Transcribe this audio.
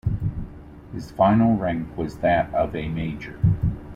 His final rank was that of a Major.